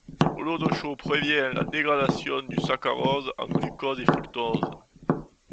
L’eau de chaux prévient la dégradation du saccharose en glucose et fructose.